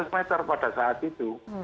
lima ratus meter pada saat itu